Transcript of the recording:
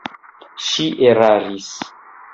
Ŝi eraris.